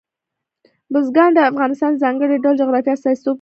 بزګان د افغانستان د ځانګړي ډول جغرافیه استازیتوب کوي.